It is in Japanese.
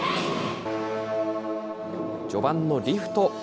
序盤のリフト。